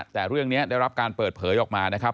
แต่เรื่องนี้ได้รับการเปิดเผยออกมานะครับ